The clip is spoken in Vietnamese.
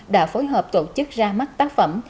đã phối hợp tổ chức ra mắt tác phẩm